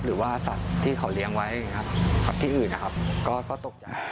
หรือว่าสัตว์ที่เขาเลี้ยงไว้ครับสัตว์ที่อื่นนะครับก็ตกใจ